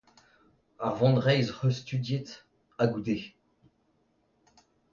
Ar vonreizh 'c'h eus studiet, ha goude ?